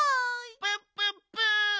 プップップ！